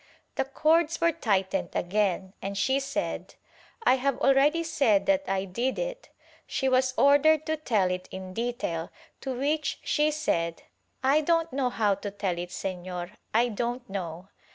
The cords were tightened again, and she said "I have already said that I did it." She was ordered to tell it in detail, to which she said "I don't know how to tell it sefior, I don't know."